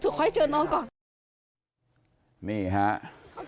เพื่อนบ้านเจ้าหน้าที่อำรวจกู้ภัย